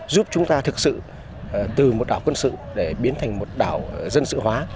giúp chúng ta thực sự từ một đảo quân sự để biến thành một đảo dân sự hóa